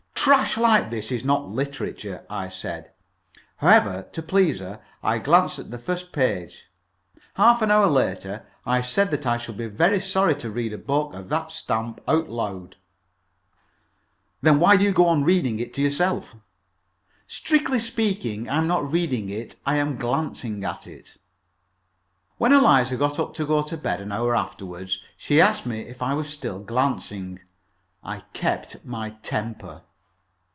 "Trash like this is not literature," I said. However, to please her, I glanced at the first page. Half an hour later I said that I should be very sorry to read a book of that stamp out loud. "Then why do you go on reading it to yourself?" "Strictly speaking, I am not reading it. I am glancing at it." When Eliza got up to go to bed, an hour afterward, she asked me if I was still glancing. I kept my temper.